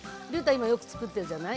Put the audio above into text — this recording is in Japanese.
今よく作ってるじゃない？